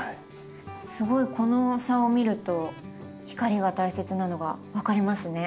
すごいこの差を見ると光が大切なのが分かりますね。